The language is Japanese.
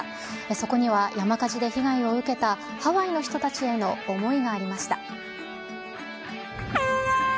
そこには山火事で被害を受けたハワイの人たちへの思いがありました。